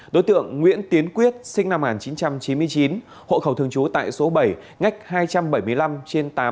đối tượng nguyễn tiến quyết sinh năm một nghìn chín trăm chín mươi chín hộ khẩu thường trú tại số bảy ngách hai trăm bảy mươi năm trên tám